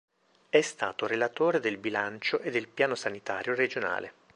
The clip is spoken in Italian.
È stato relatore del Bilancio e del Piano sanitario regionale.